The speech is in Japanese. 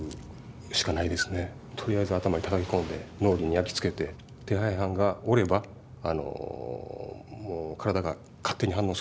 とりあえず頭にたたき込んで脳裏に焼き付けて手配犯がおればもう体が勝手に反応するっていいますか